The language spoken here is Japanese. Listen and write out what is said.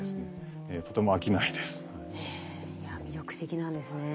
いや魅力的なんですね。